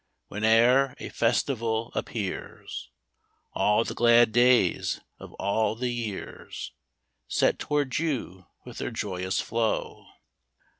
Whene'er a festival appears : All the glad days of all the years Set toward you with their joyous flow.